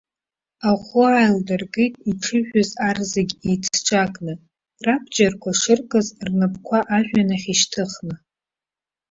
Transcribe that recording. Аӷу ааилдыргеит иҽыжәыз ар зегьы еицҿакны, рабџьарқәа шыркыз рнапқәа ажәҩан ахь ишьҭыхны.